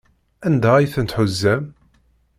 Anda ay tent-tḥuzam?